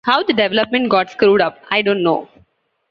How the development got screwed up, I don't know.